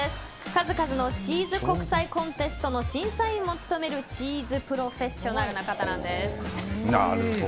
数々のチーズ国際コンテストの審査員も務めるチーズプロフェッショナルな方なんです。